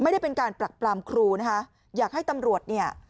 ไม่ได้เป็นการปรักปรามครูนะคะอยากให้ตำรวจเนี่ย